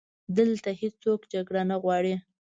دلته هیڅوک جګړه نه غواړي